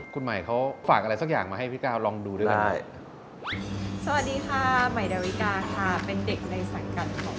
คุณใหม่เขาฝากอะไรสักอย่างมาให้พี่ก้าวลองดูด้วยกัน